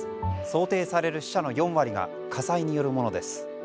想定される死者の４割が火災によるものです。